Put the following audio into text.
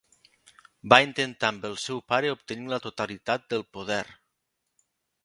Va intentar amb el seu pare obtenir la totalitat del poder.